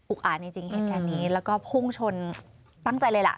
อ่านจริงเหตุการณ์นี้แล้วก็พุ่งชนตั้งใจเลยล่ะ